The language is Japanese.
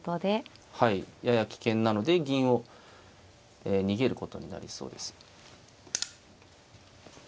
やや危険なので銀を逃げることになりそうです。